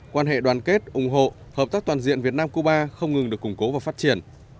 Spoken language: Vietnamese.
quan hệ đoàn kết ủng hộ hợp tác toàn diện việt nam cuba không ngừng được củng cố và phát triển